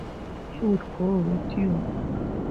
He would go with you.